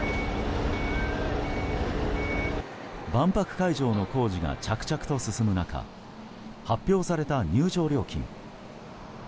万博会場の工事が着々と進む中発表された入場料金。